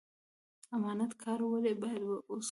امانت کاره ولې باید اوسو؟